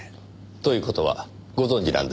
という事はご存じなんですね？